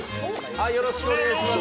よろしくお願いします